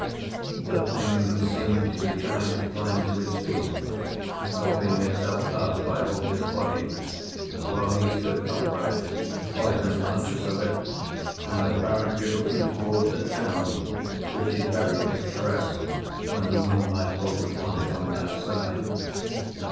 The Thing seemed to be trying to climb to its feet, helping itself up by Holger's body while he stood upright, quite unconscious of it and apparently looking toward the tower, which is very picturesque when the moonlight falls upon it on that side.